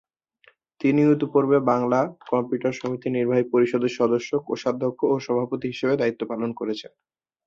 তিনি ইতিপূর্বে বাংলাদেশ কম্পিউটার সমিতির নির্বাহী পরিষদের সদস্য, কোষাধ্যক্ষ ও সভাপতি হিসাবে দায়িত্ব পালন করেছেন।